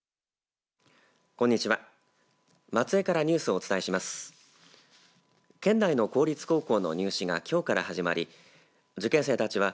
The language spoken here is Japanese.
こんにちは。